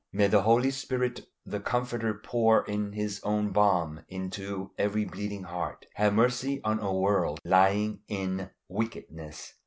May the Holy Spirit the Comforter pour his own balm into every bleeding heart. Have mercy on a world lying in wickedness.